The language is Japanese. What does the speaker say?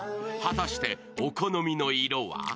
果たしてお好みの色は？